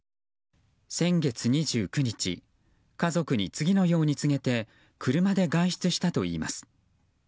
先月２９日家族に次のように告げて車で外出したといいます。